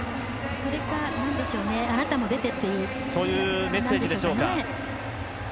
それか、あなたも出てという感じなんでしょうかね。